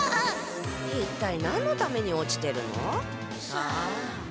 一体何のために落ちてるの？さあ？